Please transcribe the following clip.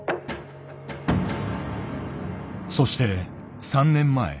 そして３年前。